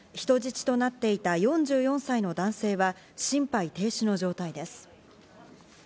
人質となっていた４４歳の男性は心肺停止の状態です。